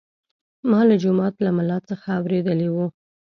ما له جومات له ملا څخه اورېدلي وو.